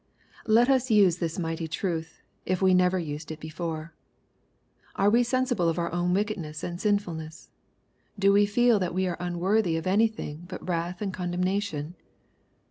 Let us use this mighty truth, if we never used it before. Are we sensible of our own wickedness and sinfulness ? Do we feel that we are unworthy of any thing but wrath and condemnation